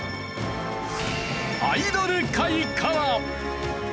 アイドル界から。